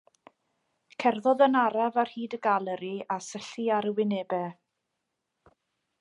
Cerddodd yn araf ar hyd y galeri a syllu ar y wynebau.